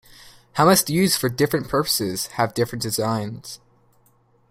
Helmets used for different purposes have different designs.